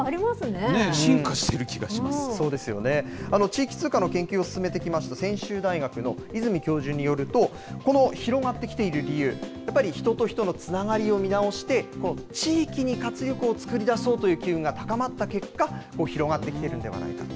地域通貨の研究を進めてきました、専修大学の泉教授によると、この広がってきている理由、やっぱり人と人とのつながりを見直して、地域に活力を作り出そうという機運が高まった結果、広がってきてるんではないか。